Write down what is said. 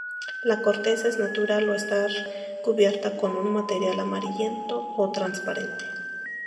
La corteza es natural o estar cubierta con un material amarillento o transparente.